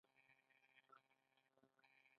خولۍ د درنښت، صداقت او تقوا نښه ده.